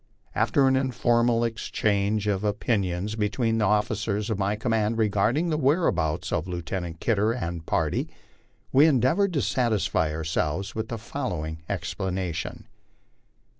After an informal inter change of opinions between the officers of my command regarding the where abouts of Lieutenant Kidder and party, we endeavored to satisfy ourselves with the following explanation.